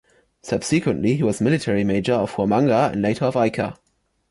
Subsequently, he was military major of Huamanga and later of Ica.